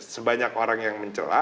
sebanyak orang yang mencela